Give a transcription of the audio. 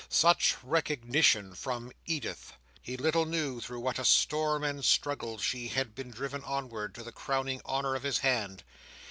Such recognition from Edith! He little knew through what a storm and struggle she had been driven onward to the crowning honour of his hand.